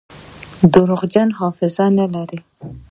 درواغجن حافظه نلري.